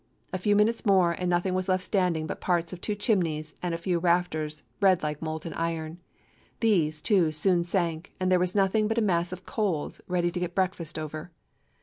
A few minutes more, and nothing was left standing but parts of two chimneys and a few rafters, red like molten iron. These, too, soon sank, and there was nothing but a mass of coals ready to get breakfast over.